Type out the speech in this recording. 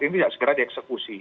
ini tidak segera dieksekusi